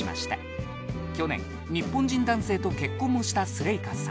去年日本人男性と結婚もしたスレイカさん